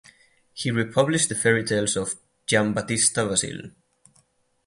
He republished the fairy tales of Giambattista Basile.